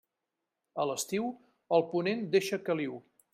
A l'estiu, el ponent deixa caliu.